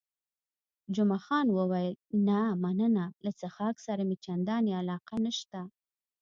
جمعه خان وویل، نه مننه، له څښاک سره مې چندانې علاقه نشته.